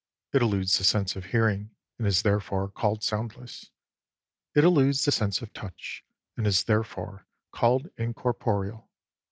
It eludes the sense of hearing, and is therefore called soundless. It eludes the sense of touch, and is therefore called incorporeal.